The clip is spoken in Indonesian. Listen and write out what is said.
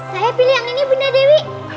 saya pilih yang ini benar dewi